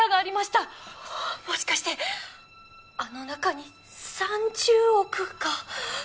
もしかしてあの中に３０億が。